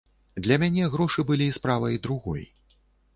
Для мяне грошы былі справай другой.